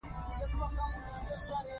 جګړه د ملت قوت له منځه وړي